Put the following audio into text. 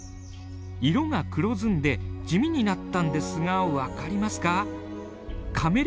色が黒ずんで地味になったんですが分かりますか？